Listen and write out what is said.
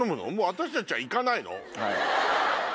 私たちは行かないの？